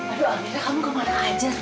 aduh aminah kamu kemana aja sih